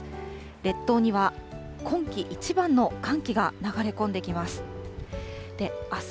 列島には今季一番の寒気が流れ込んできます。